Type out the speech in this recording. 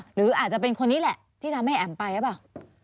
หรืออาจจะเป็นคนนี้แหละที่ทำให้แอ๋มไปหรือเปล่า